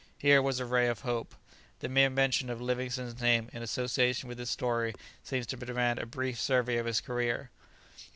Here was a ray of hope! The mere mention of Livingstone's name in association with this story seems to demand a brief survey of his career.